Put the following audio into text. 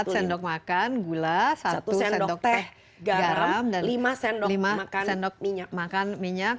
empat sendok makan gula satu sendok teh garam lima sendok sendok makan minyak